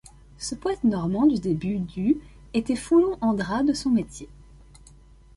Ce poète normand du début du était foulon en draps de son métier.